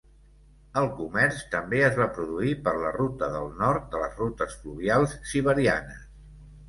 El comerç també es va produir per la ruta del nord de les rutes fluvials siberianes.